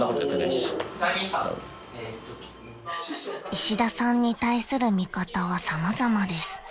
［石田さんに対する見方は様々です］